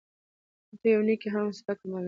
ته يوه نيکي هم سپکه مه ګڼه